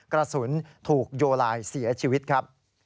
กระสุนถูกโยลายเสียชีวิตครับ